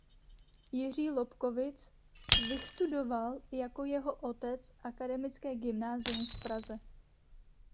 Jiří Lobkowicz vystudoval jako jeho otec Akademické gymnázium v Praze.